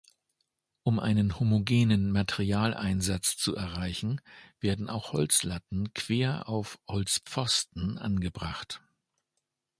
Um einen homogenen Materialeinsatz zu erreichen, werden auch Holzlatten quer auf Holzpfosten angebracht.